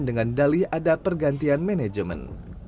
dengan dalih ada pergantian manajemen